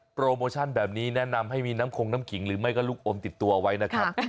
โปรโมชั่นแบบนี้แนะนำให้มีน้ำคงน้ำขิงหรือไม่ก็ลูกอมติดตัวไว้นะครับ